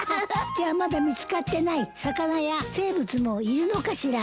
じゃあまだ見つかってない魚や生物もいるのかしら？